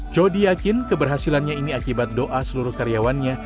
jody yakin keberhasilannya ini akibat doa seluruh karyawannya